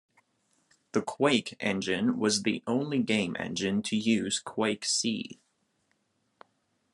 The "Quake" engine was the only game engine to use QuakeC.